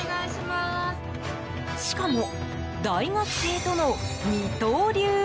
しかも、大学生との二刀流。